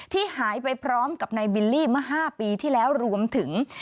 ที่หายไปพร้อมกับนายบิลลี่เมื่อ๕ปีที่แล้วรวมถึง